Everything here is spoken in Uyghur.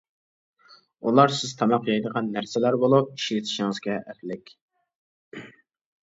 ئۇلار سىز تاماق يەيدىغان نەرسىلەر بولۇپ، ئىشلىتىشىڭىزگە ئەپلىك.